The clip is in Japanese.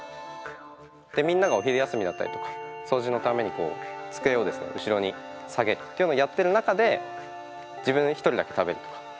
でみんながお昼休みだったりとか掃除のために机をですね後ろに下げるっていうのをやってる中で自分１人だけ食べるとか。